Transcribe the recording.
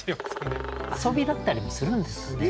遊びだったりもするんですかね。